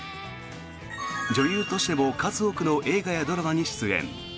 女優としても数多くの映画やドラマに出演。